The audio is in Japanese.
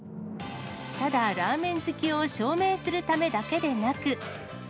ただ、ラーメン好きを証明するためだけでなく。